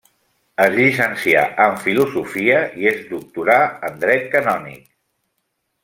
Es llicencià en Filosofia i es doctorà en Dret Canònic.